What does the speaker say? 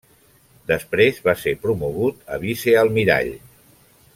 Després va ser promogut a Vicealmirall.